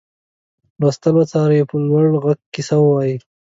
لوستل وڅاري په لوړ غږ کیسه ووايي.